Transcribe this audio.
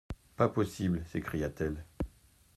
Pas possible ! s'écria-t-elle.